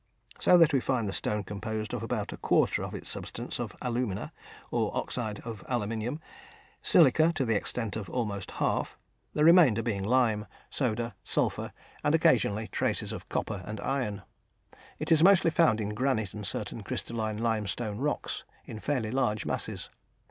So that we find the stone composed of about a quarter of its substance of alumina, or oxide of aluminium, silica to the extent of almost half, the remainder being lime, soda, sulphur, and occasionally traces of copper and iron. It is mostly found in granite and certain crystalline limestone rocks, in fairly large masses.